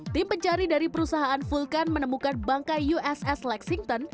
tim pencari dari perusahaan vulkan menemukan bangkai uss lexington